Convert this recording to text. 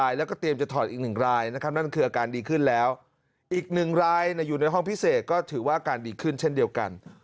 อยู่ในห้องพิเศษก็ถือว่าการดีขึ้นเช่นเดียวกัน